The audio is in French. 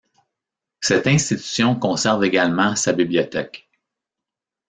Cette institution conserve également sa bibliothèque.